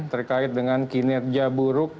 terkait dengan kinerja buruk